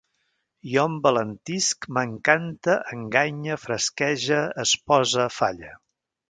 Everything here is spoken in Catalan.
Jo envalentisc, m'encante, enganye, fresquege, espose, falle